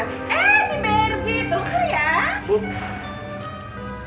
eh si bedu gitu ya